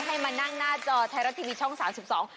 ให้มานั่งหน้าจอไทยรัฐทีวีช่อง๓๒